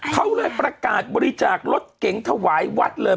เขาเลยประกาศบริจาครถเก๋งถวายวัดเลย